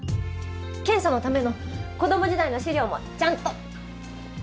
検査のための子ども時代の資料もちゃんとここに！